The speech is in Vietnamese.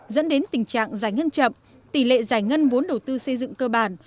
dẫn đến tình trạng giải ngân chậm tỷ lệ giải ngân vốn đầu tư xây dựng cơ bản